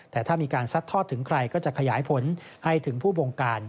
แต่ถ้ามีการซัดทอดถึงใครก็จะขยายผลให้ถึงผู้บงการ